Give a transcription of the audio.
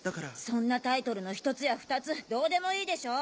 そんなタイトルの１つや２つどうでもいいでしょ？